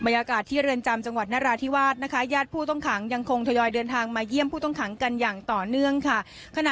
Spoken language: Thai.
อากาศที่เรือนจำจังหวัดนราธิวาสนะคะญาติผู้ต้องขังยังคงทยอยเดินทางมาเยี่ยมผู้ต้องขังกันอย่างต่อเนื่องค่ะ